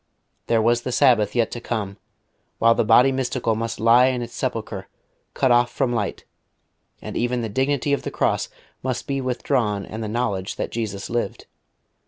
There was the Sabbath yet to come, while the Body Mystical must lie in its sepulchre cut off from light, and even the dignity of the Cross must be withdrawn and the knowledge that Jesus lived.